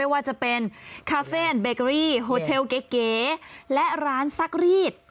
ว่าจะเป็นคาเฟ่เบเกอรี่โฮเทลเก๋และร้านซักรีด